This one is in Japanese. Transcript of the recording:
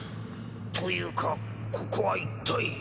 というかここは一体。